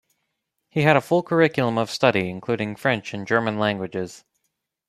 He had a full curriculum of study, including French and German languages.